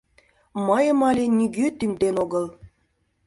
— Мыйым але нигӧ тӱҥден огыл!